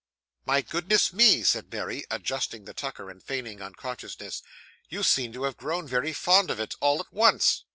'My goodness me!' said Mary, adjusting the tucker, and feigning unconsciousness, 'you seem to have grown very fond of it all at once.